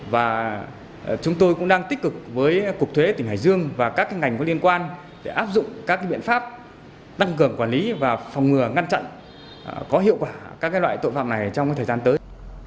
và chúng tôi cũng đang tích cực với cục thuế tỉnh hải dương và các ngành có liên quan để áp dụng các biện pháp tăng cường quản lý và phòng ngừa ngăn chặn có hiệu quả các loại tội phạm này trong thời gian tới